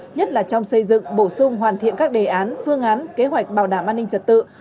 nhất là trong xây dựng bổ sung hoàn thiện các đề án phương án kế hoạch bảo đảm an ninh trật tự